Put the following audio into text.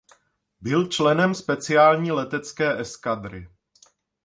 Byl členem speciální letecké eskadry.